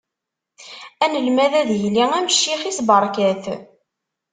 Anelmad ad yili am ccix-is, beṛka-t.